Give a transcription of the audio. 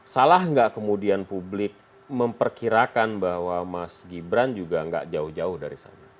salah nggak kemudian publik memperkirakan bahwa mas gibran juga nggak jauh jauh dari sana